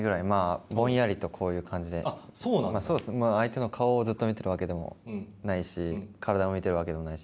相手の顔をずっと見てるわけでもないし体を見ているわけでもないし。